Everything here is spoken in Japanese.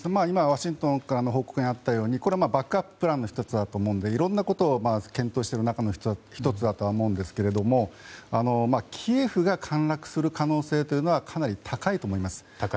今、ワシントンからの報告にあったようにこれはバックアッププランの１つだと思うのでいろいろなことを検討している中の１つだとは思うんですがキエフが陥落する可能性というのはかなり高いと思います。